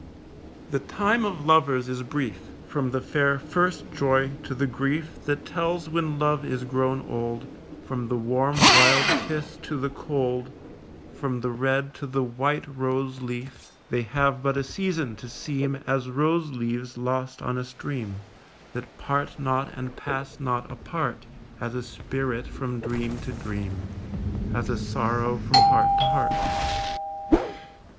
The time of lovers is brief; From the fair first joy to the grief That tells when love is grown old, From the warm wild kiss to the cold, From the red to the white rose leaf, They have but a season to seem As rose leaves lost on a stream That part not and pass not apart As a spirit from dream to dream, As a sorrow from heart to heart.